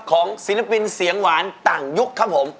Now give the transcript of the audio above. ศิลปินเสียงหวานต่างยุคครับผม